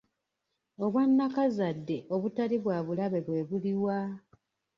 Obwannakazadde obutali bwa bulabe bwe buliwa?